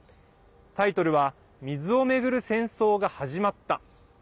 タイトルは「水をめぐる戦争が始まった」。